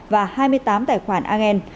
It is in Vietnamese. và hai mươi tám tài khoản angel